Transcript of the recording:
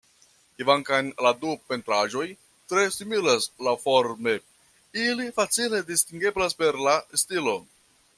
Kvankam la du pentraĵoj tre similas laŭforme, ili facile distingeblas per la stilo.